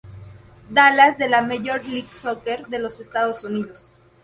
Dallas de la Major League Soccer de los Estados Unidos.